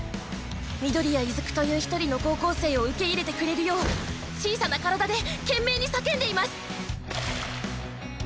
緑谷出久という１人の高校生を受け入れてくれるよう小さな体で懸命に叫んでいます。